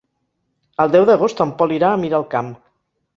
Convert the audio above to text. El deu d'agost en Pol irà a Miralcamp.